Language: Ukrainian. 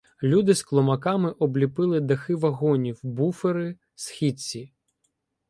Люди з клумаками обліпили дахи вагонів, буфери, східці.